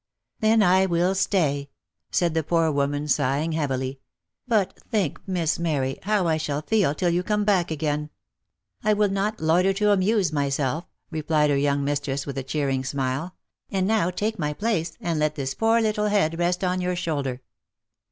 " Then I will stay," said the poor woman, sighing heavily ;" but just think, Miss Mary, how I shall feel till you come back again !"" I will not loiter to amuse myself," replied her young mistress with a cheering smile ;" and now take my place, and' let this poor little head rest on your shoulder."